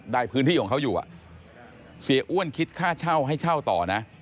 พื้นที่ของเขาอยู่เสียอ้วนคิดค่าเช่าให้เช่าต่อนะ